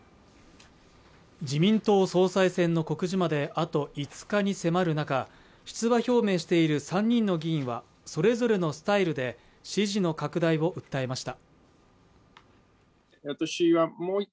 自民党総裁選の告示まであと５日に迫る中、出馬表明している３人の議員は、それぞれのスタイルで支持の拡大を訴えました。